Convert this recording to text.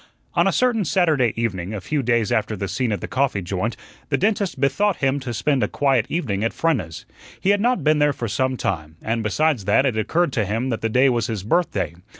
On a certain Saturday evening, a few days after the scene at the coffee joint, the dentist bethought him to spend a quiet evening at Frenna's. He had not been there for some time, and, besides that, it occurred to him that the day was his birthday.